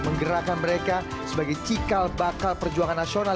menggerakkan mereka sebagai cikal bakal perjuangan nasional